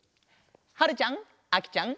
はるちゃんあきちゃん